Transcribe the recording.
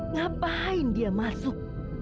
ngapain dia masuk